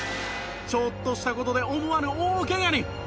ちょっとした事で思わぬ大ケガに！